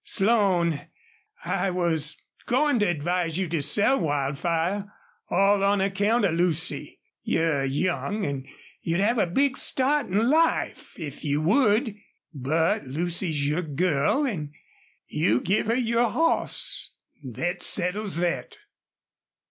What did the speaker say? Slone, I was goin' to advise you to sell Wildfire all on account of Lucy. You're young an' you'd have a big start in life if you would. But Lucy's your girl an' you give her the hoss.... Thet settles thet!"